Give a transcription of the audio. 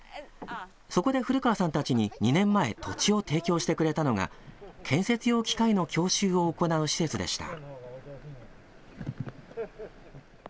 そこで古川さんたちに２年前、土地を提供してくれたのが建設用機械の教習を行う施設でした。